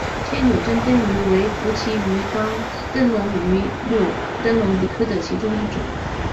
天纽珍灯鱼为辐鳍鱼纲灯笼鱼目灯笼鱼科的其中一种。